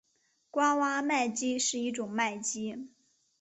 爪哇麦鸡是一种麦鸡。